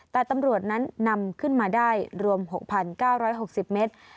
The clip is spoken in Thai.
แต่ตำรวจนั้นนำขึ้นมาได้รวมหกพันเก้าร้อยหกสิบเมตร